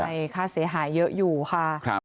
ใช่ค่าเสียหายเยอะอยู่ค่ะ